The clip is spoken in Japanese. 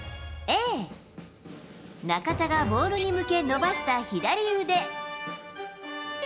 Ａ、中田がボールに向け伸ばした左腕。